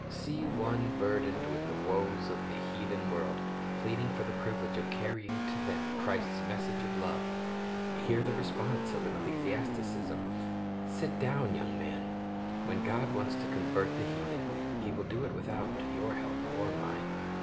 See one burdened with the w^oes of the heathen world, pleading for the privilege of carrying to them Christ's message of love. Hear the response of ecclesiasticism : "Sit dow'n, young man. When God wants to convert the heathen, He will do it without your help or mine."